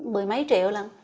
mười mấy triệu lần